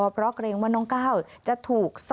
เพราะเกลียงว่าน้องก้าวจะถูกศักดิ์วิญญาณ